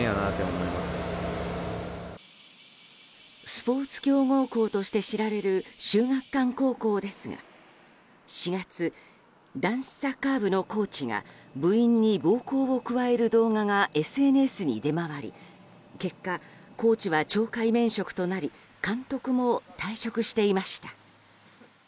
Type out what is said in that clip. スポーツ強豪校として知られる秀岳館高校ですが４月、男子サッカー部のコーチが部員に暴行を加える動画がＳＮＳに出回り結果、コーチは懲戒免職となり監督も退職していました。